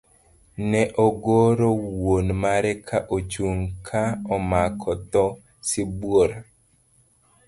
Ne ogoro wuon mare ka ochung' ka omako dhoo sibuor.